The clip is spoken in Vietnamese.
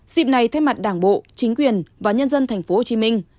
dịp này thay mặt đảng bộ chính quyền và nhân dân tp hcm